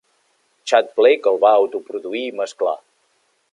Tchad Blake el va autoproduir i mesclar.